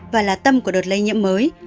và là tâm của đợt lây nhiễm mới